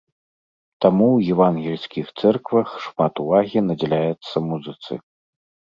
Таму ў евангельскіх цэрквах шмат увагі надзяляецца музыцы.